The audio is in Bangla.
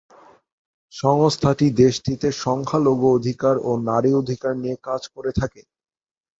সংস্থাটি দেশটিতে সংখ্যালঘু অধিকার ও নারী অধিকার নিয়ে কাজ করে থাকে।